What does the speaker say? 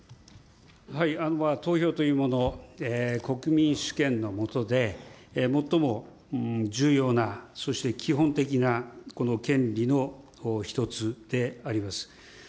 投票というもの、国民主権のもとで、最も重要な、そして、基本的な、この権利の一つであります。